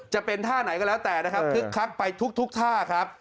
จะเป็นท่าไหนก็แล้วแต่นะครับคึกคักไปทุกท่าครับ